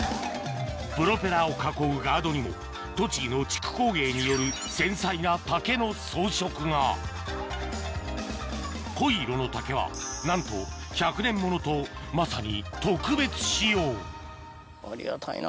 プロペラを囲うガードにも栃木の竹工芸による繊細な竹の装飾が濃い色の竹はなんとまさに特別仕様ありがたいな